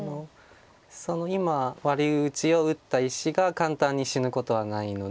今ワリ打ちを打った石が簡単に死ぬことはないので。